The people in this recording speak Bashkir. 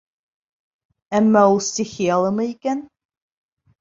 Әммә ул стихиялымы икән?